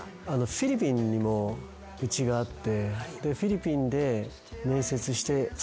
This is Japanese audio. フィリピンにもうちがあって。